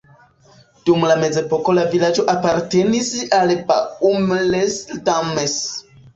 Dum la mezepoko la vilaĝo apartenis al Baume-les-Dames.